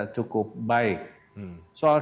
cukup baik soal